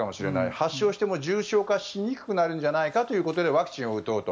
発症しても重症化しにくくなるんじゃないかということでワクチンを打とうと。